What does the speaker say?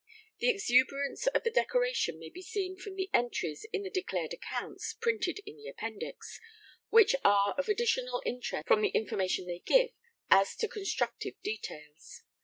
The exuberance of the decoration may be seen from the entries in the Declared Accounts, printed in the Appendix, which are of additional interest from the information they give as to constructive details.